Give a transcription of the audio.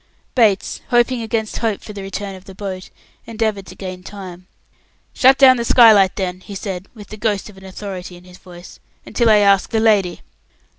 Bates, hoping against hope for the return of the boat, endeavoured to gain time. "Shut down the skylight, then," said he, with the ghost of an authority in his voice, "until I ask the lady."